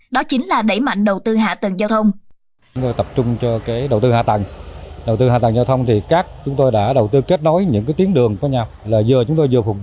đó chính là đẩy mạnh đầu tư hạ tầng giao thông